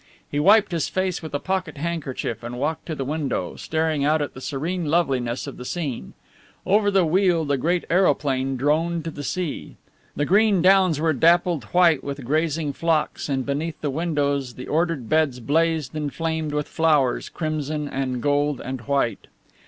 He wiped his face with a pocket handkerchief and walked to the window, staring out at the serene loveliness of the scene. Over the weald a great aeroplane droned to the sea. The green downs were dappled white with grazing flocks, and beneath the windows the ordered beds blazed and flamed with flowers, crimson and gold and white.